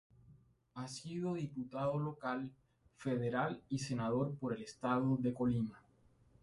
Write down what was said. Ha sido diputado local, federal y senador por el estado de Colima.